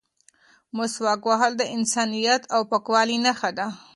مسواک وهل د انسانیت او پاکوالي نښه ده.